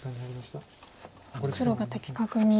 黒が的確に。